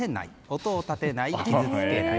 音を立てない、傷つけない。